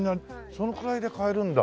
そのくらいで買えるんだ。